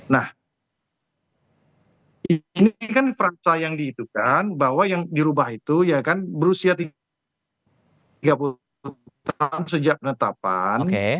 nah ini kan frasa yang dihitungkan bahwa yang dirubah itu ya kan berusia tiga puluh tahun sejak netapan